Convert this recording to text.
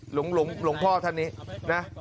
โหหลงท่านนี้นะ